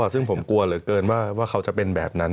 ซึ่งผมกลัวเหลือเกินว่าเขาจะเป็นแบบนั้น